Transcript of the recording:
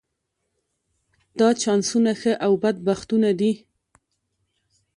دا چانسونه ښه او بد بختونه دي.